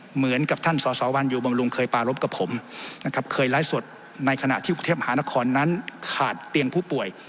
เหมือนกับท่านสวันยูบางรุงเคยปารบกับผมเคยไร้ส่วนในขณะที่หานะทครมนั้นขาดเตียงผู้ป่วย